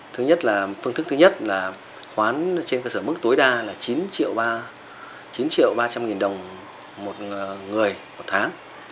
thứ nhất là phương thức thứ nhất là khoán trên cơ sở mức tối đa là chín triệu ba trăm linh đồng một người một tháng